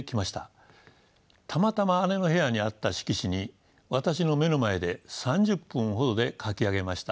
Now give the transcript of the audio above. たまたま姉の部屋にあった色紙に私の目の前で３０分ほどで描き上げました。